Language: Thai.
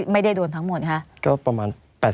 ไม่ได้โดนทั้งหมดคะก็ประมาณ๘๐